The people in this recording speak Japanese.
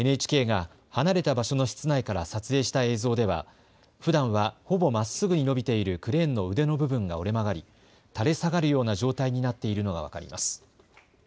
ＮＨＫが離れた場所の室内から撮影した映像では、ふだんはほぼまっすぐに伸びているクレーンの腕の部分が折れ曲がり、垂れ下がるような状態になっているのが分かります。